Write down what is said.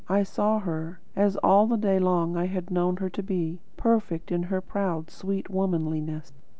I saw her, as all day long I had known her to be, perfect in her proud, sweet womanliness."